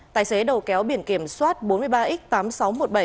tài xế đầu kéo biển kiểm soát bốn mươi ba x tám nghìn sáu trăm một mươi bảy